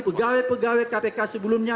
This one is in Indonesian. pegawai pegawai kpk sebelumnya